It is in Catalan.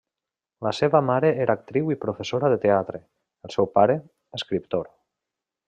La seva mare era actriu i professora de teatre, el seu pare, escriptor.